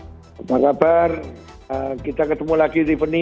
apa kabar kita ketemu lagi tiffany